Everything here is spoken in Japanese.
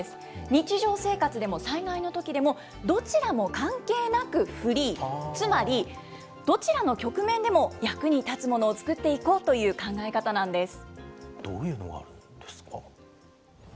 日常生活でも災害のときでも、どちらも関係なくフリー、つまり、どちらの局面でも役に立つものを作っていこうという考え方なんでどういうものがあるんですか。